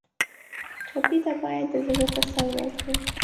ټپي ته باید د زړه تسل ورکړو.